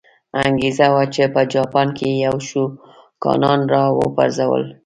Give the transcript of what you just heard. انګېزه وه چې په جاپان کې یې شوګانان را وپرځول.